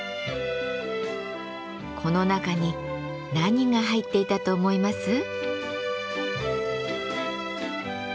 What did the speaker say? この中に何が入っていたと思います？